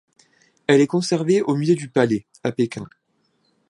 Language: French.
Elle est conservée au Musée du Palais, à Pékin.